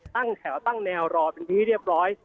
ตั้งแถวตั้งแนวรอเป็นที่เรียบร้อย